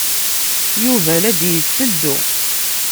Yuba la d-yetteddu.